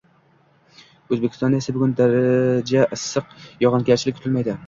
O'zbekistonda esa bugun daraja issiq, yog'ingarchilik kutilmaydi!